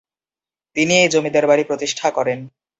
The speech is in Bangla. তিনি এই জমিদার বাড়ি প্রতিষ্ঠা করেন।